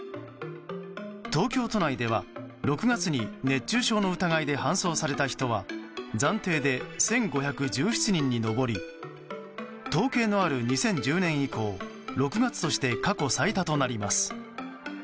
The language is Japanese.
東京都内では、６月に熱中症の疑いで搬送された人は暫定で１５１７人に上り統計のある２０１０年以降６月として過去最多となります。